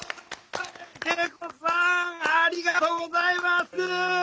圭永子さんありがとうございます。